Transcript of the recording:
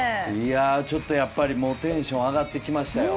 ちょっとやっぱりもうテンションが上がってきましたよ。